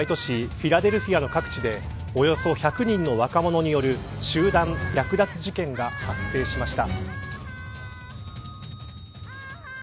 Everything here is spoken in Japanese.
フィラデルフィアの各地でおよそ１００人の若者による集団略奪事件が発生しました。